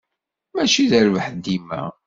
Mačči d rrbeḥ dima.